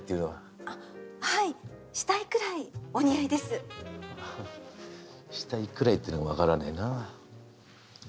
「したいくらい」ってのが分からねえな。